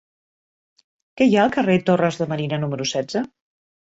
Què hi ha al carrer de Torres de Marina número setze?